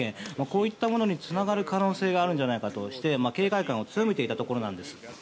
こういったものにつながる可能性があるとして警戒感を強めていたところなんです。